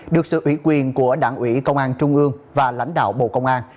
được sự ủy quyền của đảng ủy công an trung ương và lãnh đạo bộ công an